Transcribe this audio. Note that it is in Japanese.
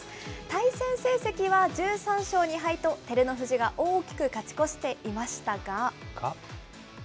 対戦成績は１３勝２敗と、照ノ富士が大きく勝ち越していましたが。